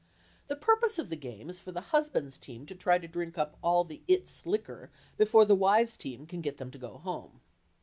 The purpose of the game is for the "husbands', team" to try to drink up all the "It's" liquor before the "wives' team" can get them to go home.